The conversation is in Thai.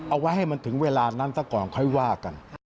เอาไว้ให้มันถึงเวลานั้นซะก่อนค่อยว่ากัน